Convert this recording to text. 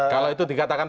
kalau itu dikatakan